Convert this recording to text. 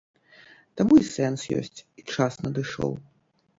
Таму і сэнс ёсць, і час надышоў.